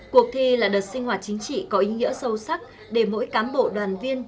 cuộc thi là đợt sinh hoạt chính trị có ý nghĩa sâu sắc để mỗi cán bộ đoàn viên